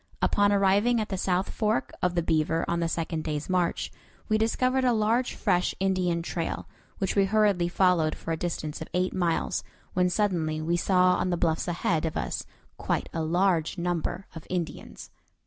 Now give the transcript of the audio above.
Upon arriving at the south fork of the Beaver on the second day's march, we discovered a large fresh Indian trail, which we hurriedly followed for a distance of eight miles, when suddenly we saw on the bluffs ahead of us quite a large number of Indians.